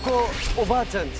「おばあちゃんち？」